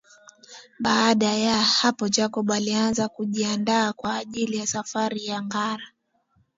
Baada yah apo Jacob alianza kujiandaa kwa ajili ya safari ya ngara